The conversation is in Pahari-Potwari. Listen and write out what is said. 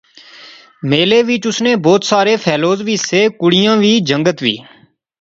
میلے وچ اس نے بہت سارے فیلوز وی سے، کڑئیاں وی، جنگت وی